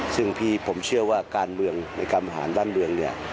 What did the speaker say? ซึ่งพี่ผมเชื่อว่าการเมืองในการบริหารบ้านเมืองเนี่ย